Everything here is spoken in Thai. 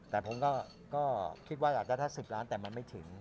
แต่ผมก็คิดว่าอาจจะถ้า๑๐ล้านแต่มันไม่ถึง